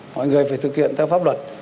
mọi người phải thực hiện theo pháp luật